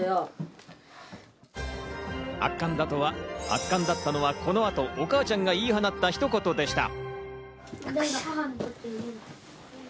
圧巻だったのは、この後、お母ちゃんがいい放ったひと言でした。